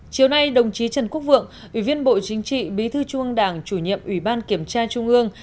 chiều nay đồng chí trần quốc vượng ủy viên bộ chính trị bí thư trung ương đảng chủ nhiệm ủy ban kiểm tra trung ương